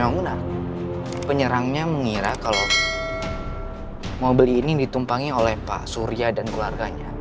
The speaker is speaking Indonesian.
bangunan penyerangnya mengira kalau mobil ini ditumpangi oleh pak surya dan keluarganya